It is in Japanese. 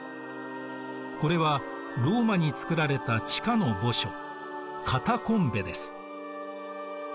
これはローマに作られた地下の墓所カタコンベです。